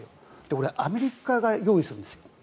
それはアメリカが用意するんです。